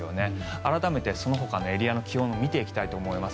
改めてそのほかのエリアの気温も見ていきたいと思います。